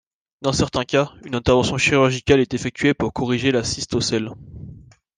Dans certains cas, une intervention chirurgicale est effectuée pour corriger la cystocèle.